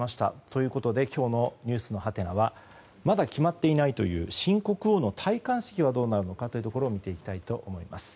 ということで今日のｎｅｗｓのハテナはまだ決まっていないという新国王の戴冠式はどうなるのかを見ていきたいと思います。